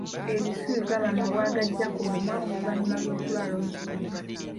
Ebisuyu gaba mabwa agajja ku mumwa oluvannyuma lw’okulwala omusujja.